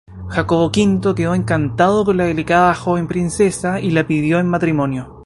Jacobo V quedó encantado con la delicada joven princesa y la pidió en matrimonio.